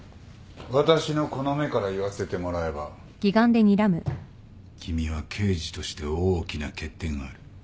私のこの目から言わせてもらえば君は刑事として大きな欠点がある。